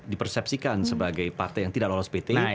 di persepsikan sebagai partai yang tidak lolos pt